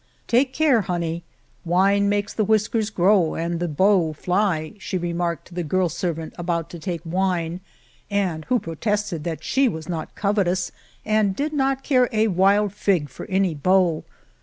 " Take care, honey, wine makes the whisk ers grow and the beaux fly," she remarked to the girl servant about to take wine, and who protested that she was not covetous, and did not care a wild fig for any beaux.